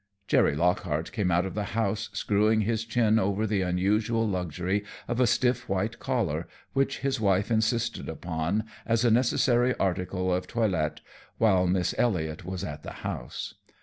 Jerry Lockhart came out of the house screwing his chin over the unusual luxury of a stiff white collar, which his wife insisted upon as a necessary article of toilet while Miss Elliot was at the house.